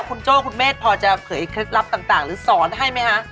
คุณโจ้คุณเมฆพอจะเผยเคล็ดลับต่างหรือสอนให้ไหมคะ